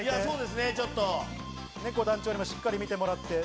ねこ団長にもしっかり見てもらって。